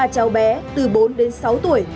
ba cháu bé từ bốn đến sáu tuổi